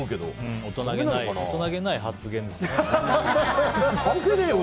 大人げない発言ですね。